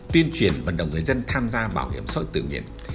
tuyên truyền vận động người dân tham gia bảo hiểm xã hội tự nhiên